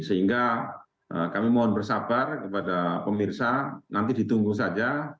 sehingga kami mohon bersabar kepada pemirsa nanti ditunggu saja